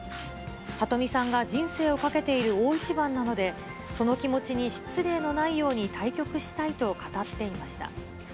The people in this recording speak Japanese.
里見さんが人生を懸けている大一番なので、その気持ちに失礼のないように対局したいと語っていました。